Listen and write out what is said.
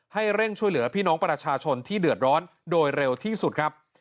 ให้เร่งช่วยเหลือพี่น้องประชาชนที่เดือดร้อนโดยเร็วที่สุดครับ